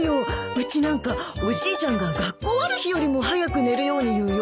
うちなんかおじいちゃんが学校ある日よりも早く寝るように言うよ。